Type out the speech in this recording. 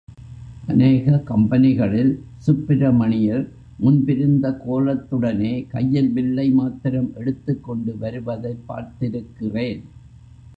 அநேக கம்பெனிகளில் சுப்பிரமணியர், முன்பிருந்த கோலத்துடனே, கையில் வில்லை மாத்திரம் எடுத்துக்கொண்டு வருவதைப் பார்த்திருக்கிறேன்.